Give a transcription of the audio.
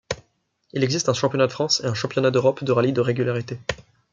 Il existe un championnat de France et un championnat d’Europe de rallye de régularité.